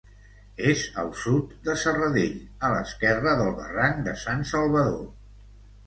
És al sud de Serradell, a l'esquerra del barranc de Sant Salvador.